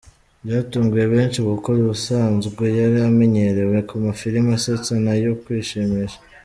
Byatunguye benshi kuko ubusanzwe yari amenyerewe ku mafilimi asetsa n’ayo kwishimisha.